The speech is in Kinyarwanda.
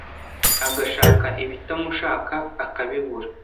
Agashaka ibitamushaka akabibura